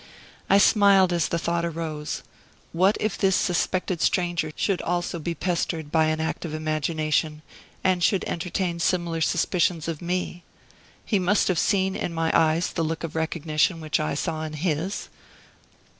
I smiled as the thought arose: what if this suspected stranger should also be pestered by an active imagination, and should entertain similar suspicions of me? He must have seen in my eyes the look of recognition which I saw in his.